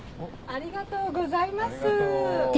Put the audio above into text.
ありがとうございます。